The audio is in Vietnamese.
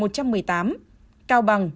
cao bằng một trăm một mươi hai